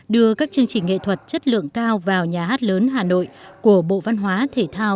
đưa các chương trình nghệ thuật chất lượng cao vào nhà hát lớn hà nội của bộ văn hóa thể thao